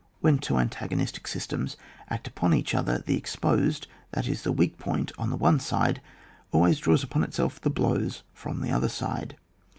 When two antagonistic systems act upon each other, the exposed, that is, the weak point on the one side always draws upon itself the blows from the other side.